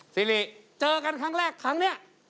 สิริเจอกันครั้งแรกครั้งนี้